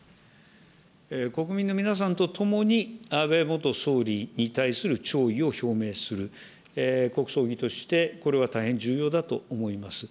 国民の皆さんと共に、安倍元総理に対する弔意を表明する、国葬儀としてこれは大変重要だと思います。